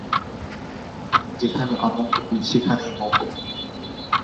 যেখানে অমঙ্গল, সেখানেই মঙ্গল।